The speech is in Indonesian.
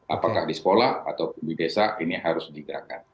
apakah di sekolah atau di desa ini harus digerakkan